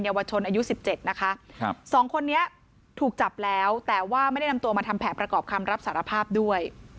ชนอายุ๑๗นะคะสองคนนี้ถูกจับแล้วแต่ว่าไม่ได้นำตัวมาทำแผนประกอบคำรับสารภาพด้วย